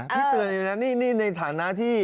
พี่เตือนเลยนะนี่ในฐานะที่